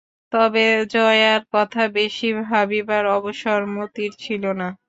তবে জয়ার কথা বেশি ভাবিবার অবসর মতির ছিল না।